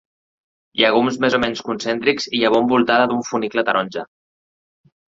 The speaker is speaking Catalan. Llegums més o menys concèntrics i llavor envoltada d'un funicle taronja.